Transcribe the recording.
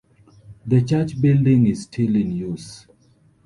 The church building is still in use.